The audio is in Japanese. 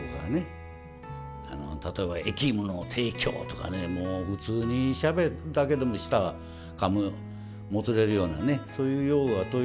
例えば「役務の提供」とかねもう普通にしゃべったけども舌はかむもつれるようなねそういう用語が飛び交うわけだから。